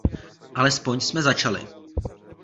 Alespoň jsme začali.